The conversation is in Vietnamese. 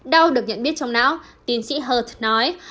đau được nhận biết trong náo tiến sĩ hurt nói